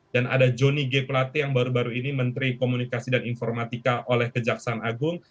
dan ada joni g pelati yang baru baru ini menteri komunikasi dan informatika oleh kejaksaan agung